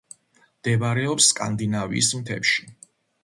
მდებარეობს სკანდინავიის მთებში.